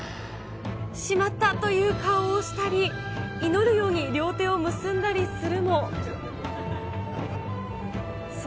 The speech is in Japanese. しまったという顔をしたり、祈るように両手を結んだりするも。